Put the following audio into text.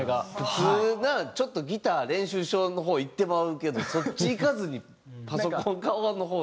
普通なちょっとギター練習しようの方いってまうけどそっちいかずにパソコン側の方いくんですね。